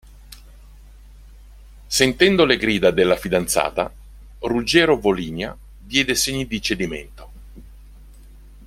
Sentendo le grida della fidanzata, Ruggero Volinia diede segni di cedimento.